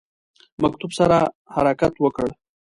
مکتوب سره حرکت وکړ.